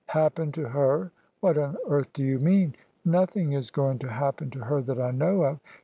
" Happen to her? What on earth do you mean? Noth ing is going to happen to her that I know of.